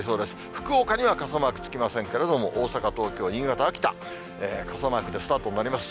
福岡には傘マークつきませんけれども、大阪、東京、新潟、秋田、傘マークでスタートになります。